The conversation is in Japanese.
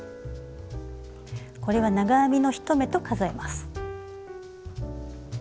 これは長編みの１目と数えます。